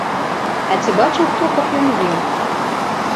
А ці бачыў хто, каб ён еў?